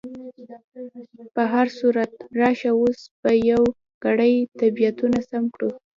په هر صورت، راشه اوس به یو ګړی طبیعتونه سم کړو.